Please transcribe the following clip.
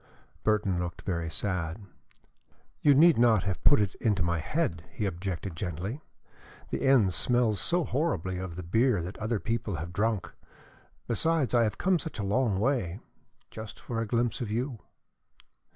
Burton looked very sad. "You need not have put it into my head," he objected gently. "The inn smells so horribly of the beer that other people have drunk. Besides, I have come such a long way just for a glimpse of you."